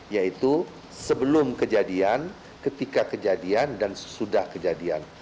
yaitu sebelum kejadian ketika kejadian dan sesudah kejadian